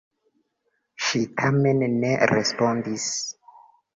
Ŝi tamen ne respondis.